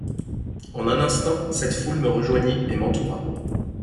En un instant, cette foule me rejoignit et m’entoura.